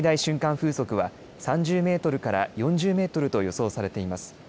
風速は３０メートルから４０メートルと予想されています。